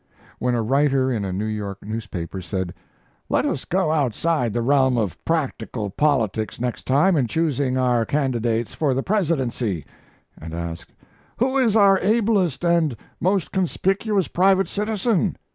When a writer in a New York newspaper said, "Let us go outside the realm of practical politics next time in choosing our candidates for the Presidency," and asked, "Who is our ablest and most conspicuous private citizen?"